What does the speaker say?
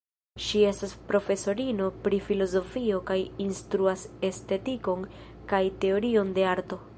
Ŝi estas profesorino pri filozofio kaj instruas estetikon kaj teorion de arto.